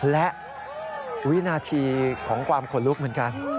และวินาทีของความขนลุกเหมือนกัน